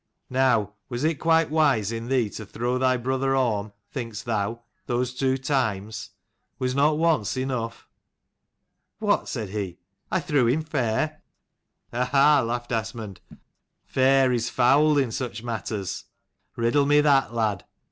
Now, was it quite wise in thee to throw thy brother Orm, think'st thou, those two times? Was not once enough ?" "What!" said he, "I threw him fair." " Ha ! ha !" laughed Asmund. " Fair is foul 161 in such matters. Riddle me that, lad.